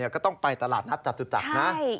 ก็ต้องไปตลาดนัดจัตฉัก